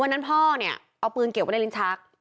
พ่อเนี่ยเอาปืนเก็บไว้ในลิ้นชัก